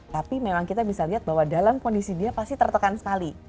tapi memang kita bisa lihat bahwa dalam kondisi dia pasti tertekan sekali